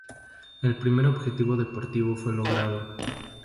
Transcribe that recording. El primer objetivo deportivo fue logrado.